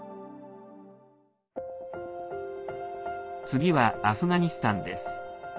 次はアフガニスタンです。